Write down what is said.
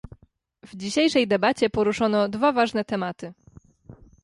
W dzisiejszej debacie poruszono dwa ważne tematy